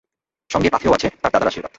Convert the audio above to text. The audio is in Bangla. সঙ্গে পাথেয় আছে, তার দাদার আশীর্বাদ।